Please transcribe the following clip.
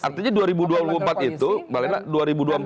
artinya dua ribu dua puluh empat itu